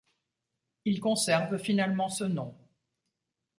Ils conservent finalement ce nom.